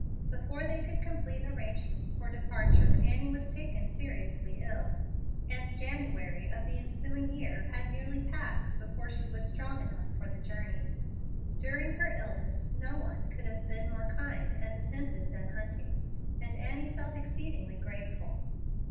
Before they could complete arrangements for departure, Annie was taken seriously ill, and January of the ensuing year had nearly passed before she was strong enough for the journey. During her illness no one could have been more kind and attentive than Hunting, and Annie felt exceedingly grateful.